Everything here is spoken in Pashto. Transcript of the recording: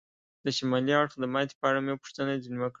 د شمالي اړخ د ماتې په اړه مې پوښتنه ځنې وکړل.